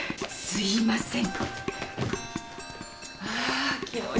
すいません。